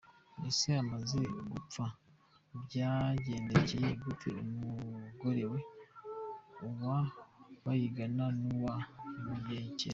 Ese amaze gupfa, byagendekeye gute umugore we, uwa Bayingana n’uwa Bunyenyezi ?